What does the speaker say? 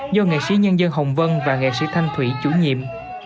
do nghệ sĩ nhân dân hồng vân và nghệ sĩ thanh thủy chủ nhiệm